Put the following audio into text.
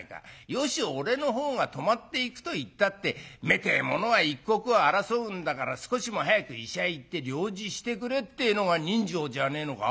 よし俺のほうが泊まっていくと言ったって目てえものは一刻を争うんだから少しでも早く医者へ行って療治してくれってえのが人情じゃねえのか。